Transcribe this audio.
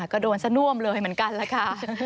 ก็โดนซะน่วมเลยเหมือนกันล่ะค่ะ